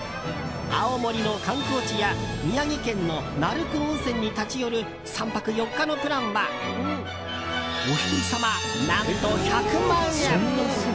青森の観光地や宮城県の鳴子温泉に立ち寄る３泊４日のプランはお一人様、何と１００万円！